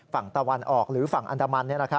ฝั่งตะวันออกหรือฝั่งอันดามัน